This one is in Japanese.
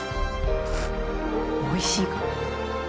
おいしい。